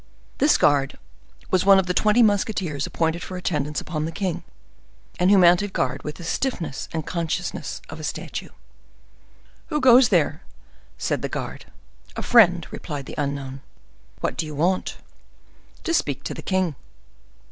This guard was one of the twenty musketeers appointed for attendance upon the king, and who mounted guard with the stiffness and consciousness of a statue. "Who goes there?" said the guard. "A friend," replied the unknown. "What do you want?" "To speak to the king."